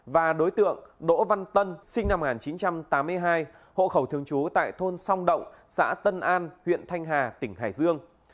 và đối tượng đỗ văn tân sinh năm một nghìn chín trăm tám mươi hai hộ khẩu thường trú tại thôn song động xã tân an huyện thanh hà tỉnh hải dương